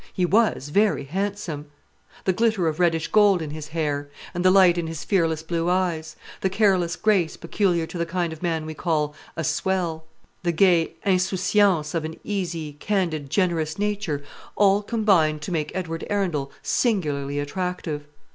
He was very handsome. The glitter of reddish gold in his hair, and the light in his fearless blue eyes; the careless grace peculiar to the kind of man we call "a swell;" the gay insouciance of an easy, candid, generous nature, all combined to make Edward Arundel singularly attractive.